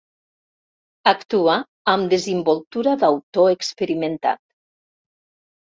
Actua amb desimboltura d'autor experimentat.